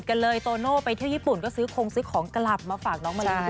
หรือว่าที่โตโน่ไปเที่ยวญี่ปุ่นก็ซื้อของกระหลับมาฝากน้องมะลิด้วยค่ะ